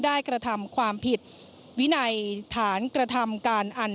กระทำความผิดวินัยฐานกระทำการอัน